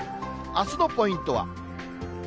あすのポイントは。